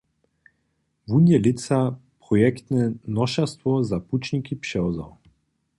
Tón je lětsa projektne nošerstwo za pućniki přewzał.